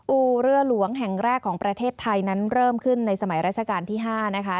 ู่เรือหลวงแห่งแรกของประเทศไทยนั้นเริ่มขึ้นในสมัยราชการที่๕นะคะ